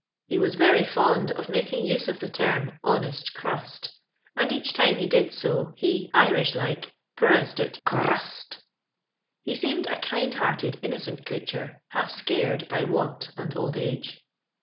He was very fond of making use of the term ••honest crust," and each time he did so, he, Irish like, ]>ronounced it currust." He seemed a kind hearted, innocent creature, half scared by want and old a^e.